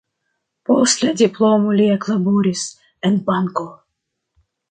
Post la diplomo li eklaboris en banko.